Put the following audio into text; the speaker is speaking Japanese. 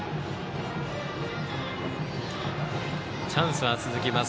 チャンスは続きます。